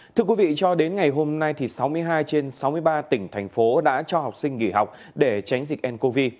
thưa quý vị cho đến ngày hôm nay sáu mươi hai trên sáu mươi ba tỉnh thành phố đã cho học sinh nghỉ học để tránh dịch ncov